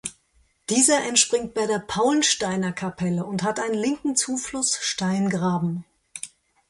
Dieser entspringt bei der "Paulnsteiner Kapelle" und hat einen linken Zufluss Steingraben.